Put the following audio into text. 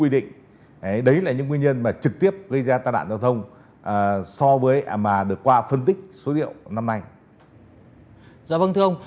đem lại doanh thu hơn chín trăm linh tỷ đồng